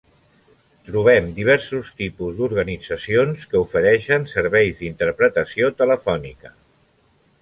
Trobem diversos tipus d'organitzacions que ofereixen serveis d'interpretació telefònica.